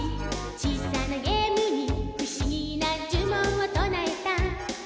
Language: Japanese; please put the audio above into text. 「小さなゲームにふしぎなじゅもんをとなえた」